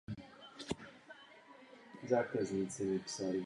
K hradišti nevedou žádné značené turistické trasy.